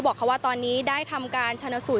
ส่วนสบนิรนามทั้ง๓คนที่แพทย์ขอความร่วมมือก่อนหน้านี้นะคะ